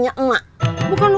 ini mau dibukain ma